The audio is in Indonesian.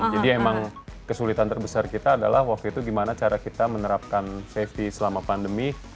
jadi emang kesulitan terbesar kita adalah waktu itu gimana cara kita menerapkan safety selama pandemi